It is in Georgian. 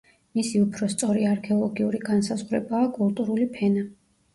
მისი უფრო სწორი არქეოლოგიური განსაზღვრებაა კულტურული ფენა.